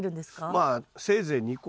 まあせいぜい２個。